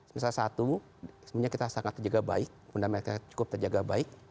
misalnya satu kita sangat terjaga baik bunda mereka cukup terjaga baik